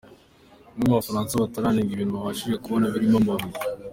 Bamwe mu bafana bateranaga ibintu babashije kubona birimo amabuye.